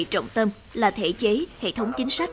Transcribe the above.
trọng tâm là thể chế hệ thống chính sách